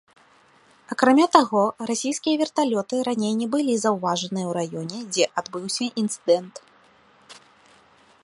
Акрамя таго, расійскія верталёты раней не былі заўважаныя ў раёне, дзе адбыўся інцыдэнт.